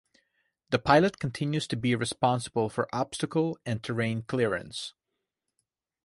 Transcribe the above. The pilot continues to be responsible for obstacle and terrain clearance.